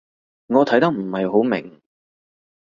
我睇得唔係好明